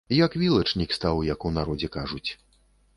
Як вілачнік стаў, як у народзе кажуць.